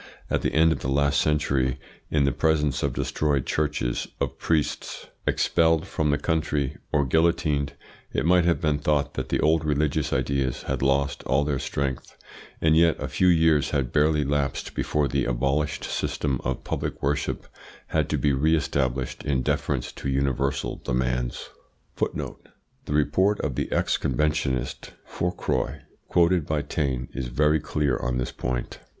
At the end of the last century, in the presence of destroyed churches, of priests expelled the country or guillotined, it might have been thought that the old religious ideas had lost all their strength, and yet a few years had barely lapsed before the abolished system of public worship had to be re established in deference to universal demands. The report of the ex Conventionist, Fourcroy, quoted by Taine, is very clear on this point.